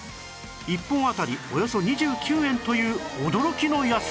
１本当たりおよそ２９円という驚きの安さ